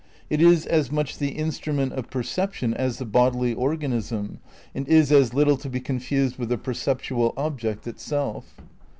It is as much the instrument of perception as the bodily organism, and is as little to be confused with the perceptual object itself.